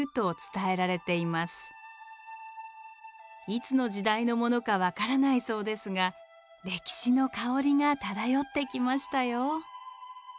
いつの時代のものか分からないそうですが歴史の香りが漂ってきましたよ。